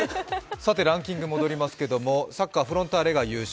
ランキングに戻ります、サッカー、フロンターレが優勝。